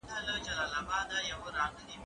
زه له سهاره شګه پاکوم!.